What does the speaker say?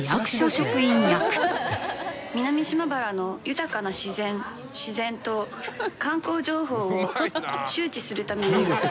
南島原の豊かな自然自然と観光情報を周知するために。